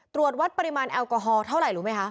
ตรวจวัดปริมาณแอลกอฮอลเท่าไหร่รู้ไหมคะ